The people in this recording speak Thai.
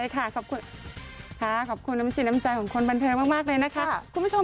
ได้ค่ะขอบคุณน้ำจิตน้ำใจของคนบันเทิงมากเลยนะคะ